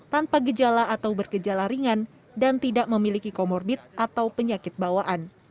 tanpa gejala atau bergejala ringan dan tidak memiliki komorbit atau penyakit bawaan